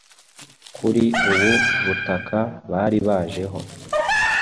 kuri ubu butaka baribajeho